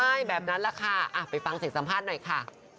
ใช่แบบนั้นแหละค่ะไปฟังเสียงสัมภาษณ์หน่อยค่ะ